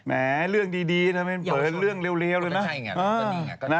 แม้เรื่องดีเปิดเรื่องเรียวเลยนะ